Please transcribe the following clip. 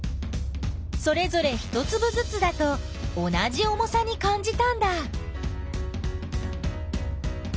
それぞ一つぶずつだと同じ重さにかんじたんだ。